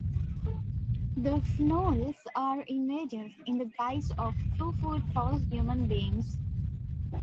The Fnools are invaders in the guise of two-foot-tall human beings.